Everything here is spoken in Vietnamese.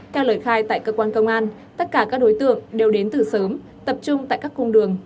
theo lời khai tại cơ quan công an tất cả các đối tượng đều đến từ sớm tập trung tại các cung đường